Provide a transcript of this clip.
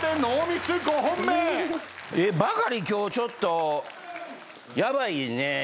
今日ちょっとヤバいね。